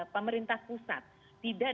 pemerintah pusat tidak